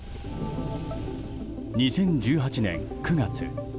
２０１８年９月。